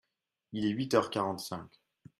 Il est huit heures quarante-cinq.